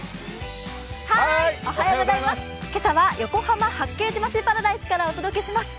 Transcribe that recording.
今朝は横浜・八景島シーパラダイスからお届けします。